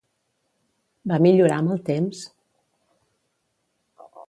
Va millorar amb el temps?